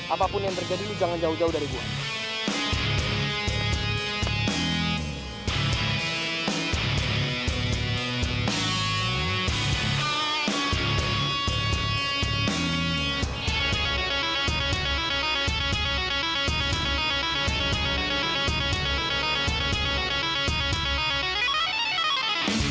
apapun yang terjadi lu jangan jauh jauh dari gue